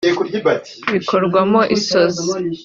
bikorwamo isozi